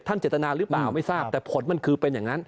เจตนาหรือเปล่าไม่ทราบแต่ผลมันคือเป็นอย่างนั้น